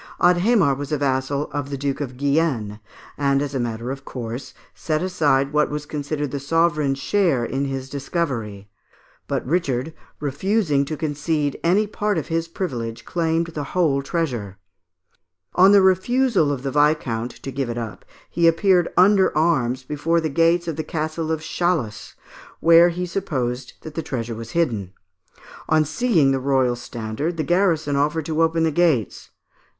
Adhémar was a vassal of the Duke of Guienne, and, as a matter of course, set aside what was considered the sovereign's share in his discovery; but Richard, refusing to concede any part of his privilege, claimed the whole treasure. On the refusal of the viscount to give it up he appeared under arms before the gates of the Castle of Chalus, where he supposed that the treasure was hidden. On seeing the royal standard, the garrison offered to open the gates.